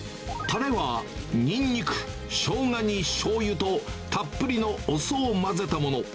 たれはにんにく、しょうがにしょうゆとたっぷりのお酢を混ぜたもの。